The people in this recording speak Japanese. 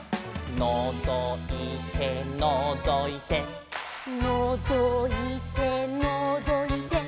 「のぞいてのぞいて」「のぞいてのぞいて」